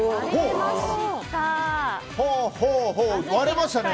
割れました。